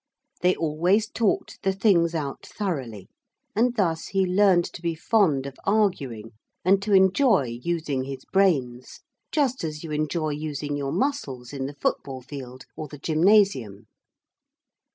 They always talked the things out thoroughly, and thus he learned to be fond of arguing, and to enjoy using his brains, just as you enjoy using your muscles in the football field or the gymnasium.